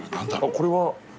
これは？